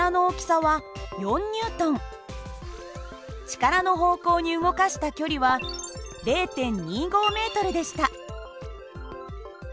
力の方向に動かした距離は０．２５ｍでした。